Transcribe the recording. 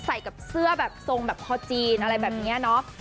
ใส่กับเสื้อแบบทรงแบบคอจีนอะไรแบบนี้เนาะ